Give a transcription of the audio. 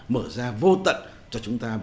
mở ra vô tận cho chúng ta